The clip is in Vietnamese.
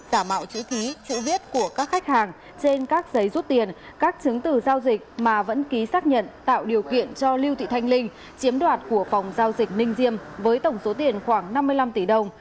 giả mạo chữ ký chữ viết của các khách hàng trên các giấy rút tiền các chứng từ giao dịch mà vẫn ký xác nhận tạo điều kiện cho lưu thị thanh linh chiếm đoạt của phòng giao dịch ninh diêm với tổng số tiền khoảng năm mươi năm tỷ đồng